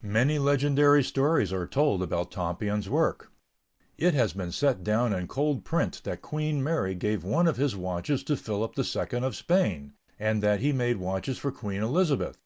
Many legendary stories are told about Tompion's work. It has been set down in cold print that Queen Mary gave one of his watches to Philip II of Spain, and that he made watches for Queen Elizabeth.